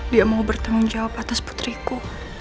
dia mau bertanggung jawab atas putriku